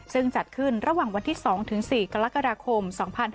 ซึ่งจัดขึ้นระหว่างวันที่๒ถึง๔กรกฎาคม๒๕๕๙